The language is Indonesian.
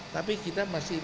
tapi kita masih bisa